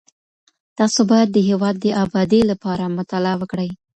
تاسو بايد د هېواد د ابادۍ لپاره مطالعه وکړئ.